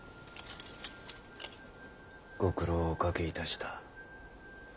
ご苦労をおかけいたした。